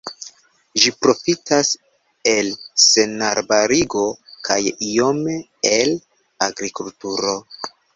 Ĝi profitas el senarbarigo kaj iome el agrikulturo.